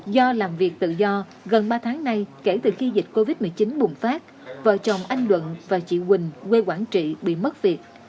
do làm việc tự do gần ba tháng nay kể từ khi dịch covid một mươi chín bùng phát vợ chồng anh luận và chị quỳnh quê quảng trị bị mất việc